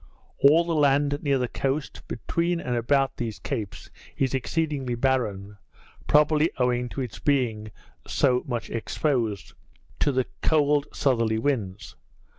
All the land near the coast, between and about these capes, is exceedingly barren; probably owing to its being so much exposed to the cold southerly winds.